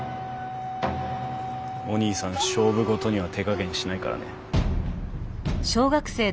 おにいさん勝負事には手加減しないからね。